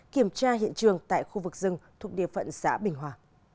kiểm tra hiện trường tại khu vực rừng thuộc địa phận xã bình hòa